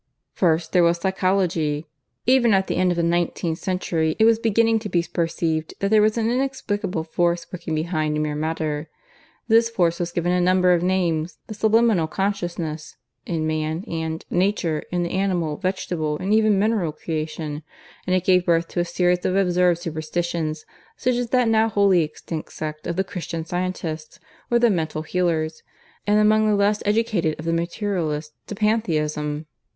"First there was Psychology. "Even at the end of the nineteenth century it was beginning to be perceived that there was an inexplicable force working behind mere matter. This force was given a number of names the 'subliminal consciousness,' in man, and 'Nature' in the animal, vegetable, and even mineral creation; and it gave birth to a series of absurd superstitions such as that now wholly extinct sect of the 'Christian Scientists,' or the Mental Healers; and among the less educated of the Materialists, to Pantheism.